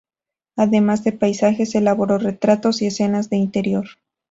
Además de paisajes elaboró retratos y escenas de interior.